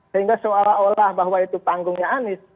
sehingga seolah olah bahwa itu panggungnya anies